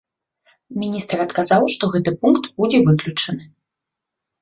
Міністр адказаў, што гэты пункт будзе выключаны.